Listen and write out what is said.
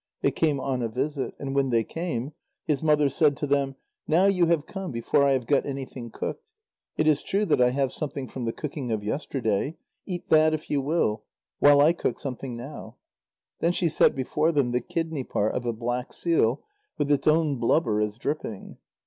They came on a visit. And when they came, his mother said to them: "Now you have come before I have got anything cooked. It is true that I have something from the cooking of yesterday; eat that if you will, while I cook something now." Then she set before them the kidney part of a black seal, with its own blubber as dripping.